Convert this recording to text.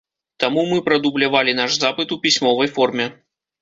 Таму мы прадублявалі наш запыт у пісьмовай форме.